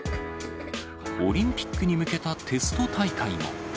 オリンピックに向けたテスト大会も。